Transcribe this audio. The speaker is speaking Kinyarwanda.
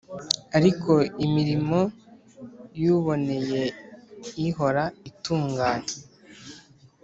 Ariko imirimo y uboneye ihora itunganye